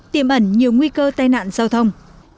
tiếm ẩn nhiều nguy cơ tai nạn giao thông